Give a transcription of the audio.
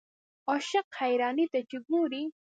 عاشق حیرانۍ ته چې ګورې.